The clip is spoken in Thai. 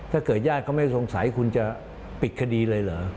ถ้าเกิดญาติเขาไม่สงสัยคุณจะปิดคดีเลยเหรอ